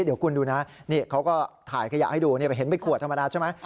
เดี๋ยวคุณดูนะนี่เขาก็ถ่ายขยะให้ดูเห็นเป็นขวดธรรมดาใช่ไหม